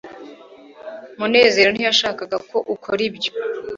munezero ntiyashakaga ko ukora ibyo